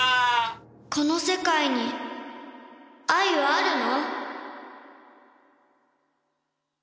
この世界に愛はあるの？